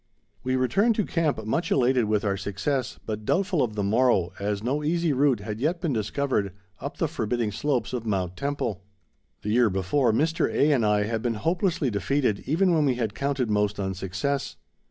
] We returned to camp much elated with our success but doubtful of the morrow, as no easy route had yet been discovered up the forbidding slopes of Mount Temple. The year before, Mr. A. and I had been hopelessly defeated even when we had counted most on success.